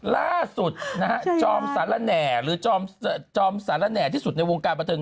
ล่าสุดจอมสาลาแน่หรือจอมสาลาแน่ที่สุดในวงการประเทิง